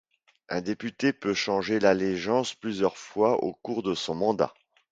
Un député peut changer d’allégeance plusieurs fois au cours de son mandat.